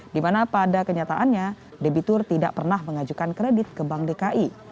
di mana pada kenyataannya debitur tidak pernah mengajukan kredit ke bank dki